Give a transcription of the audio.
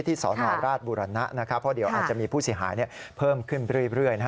สนราชบุรณะนะครับเพราะเดี๋ยวอาจจะมีผู้เสียหายเพิ่มขึ้นเรื่อย